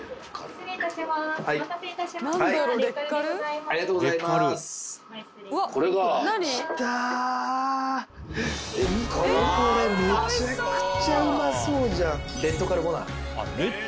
見てこれめちゃくちゃうまそうじゃん！